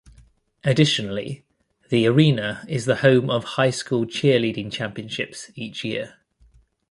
Additionally, the arena is the home of high school cheerleading championships each year.